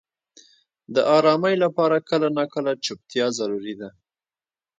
• د آرامۍ لپاره کله ناکله چوپتیا ضروري ده.